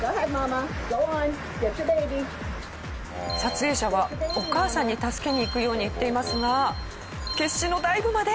撮影者はお母さんに助けに行くように言っていますが決死のダイブまで。